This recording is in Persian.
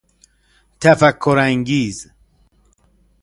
تفکر انگیز